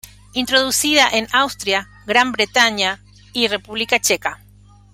Introducida en Austria, Gran Bretaña y República Checa.